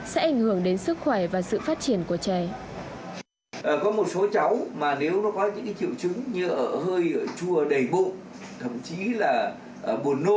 sẽ ảnh hưởng đến sức khỏe và sự phát triển của trẻ